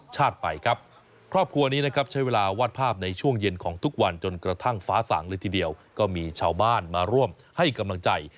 จนกระทั่งฟ้าส่างเลยทีเดียวก็มีชาวบ้านมาร่วมให้กำลังใจ